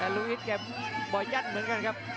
ลูอีสแกมิดว่าเป็นอย่างนั้นเหมือนกันครับ